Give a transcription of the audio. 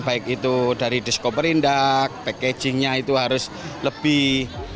baik itu dari discoperindak packagingnya itu harus lebih